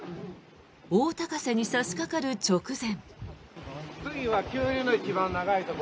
大高瀬に差しかかる直前。